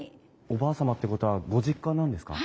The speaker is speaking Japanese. おばあ様ってことはご実家なんですか？